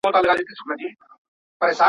هغوی د خلګو په مخ کي رښتيا وويل.